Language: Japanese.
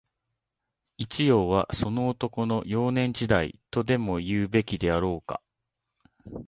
一葉は、その男の、幼年時代、とでも言うべきであろうか